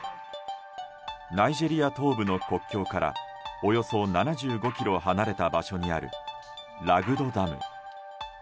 ナイジェリア東部の国境からおよそ７５ｋｍ離れたところにあるラグドダム。